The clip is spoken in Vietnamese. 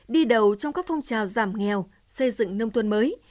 đi đầu trong các phong trào giảm nghèo xây dựng nông thôn mới